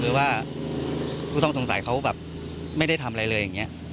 หรือว่าผู้ต้องสงสัยเขาแบบไม่ได้ทำอะไรเลยอย่างนี้